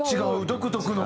独特の？